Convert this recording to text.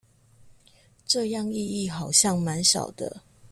這樣意義好像滿小的